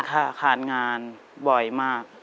ขาดงานบ่อยมาก